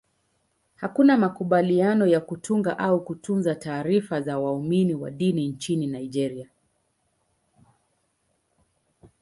Hakuna makubaliano ya kutunga au kutunza taarifa za waumini wa dini nchini Nigeria.